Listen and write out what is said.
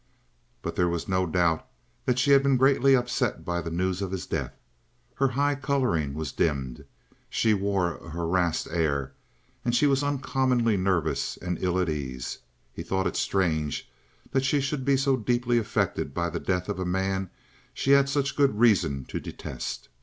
But there was no doubt that she had been greatly upset by the news of his death. Her high colouring was dimmed; she wore a harassed air, and she was uncommonly nervous and ill at ease. He thought it strange that she should be so deeply affected by the death of a man she had such good reason to detest.